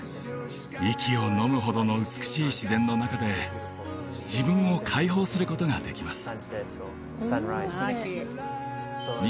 息をのむほどの美しい自然の中で自分を解放することができます